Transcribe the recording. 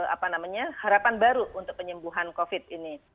apa namanya harapan baru untuk penyembuhan covid ini